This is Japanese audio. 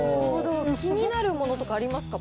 気になるものとかありますか？